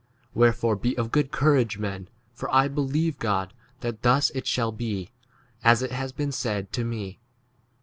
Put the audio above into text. Wherefore be of good courage, men, for I believe God that thus it shall be, as it has 26 been said to me.